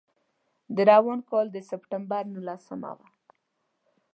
د روان کال د سپټمبر نولسمه وه.